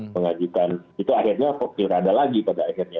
pengajukan itu akhirnya kok tidak ada lagi pada akhirnya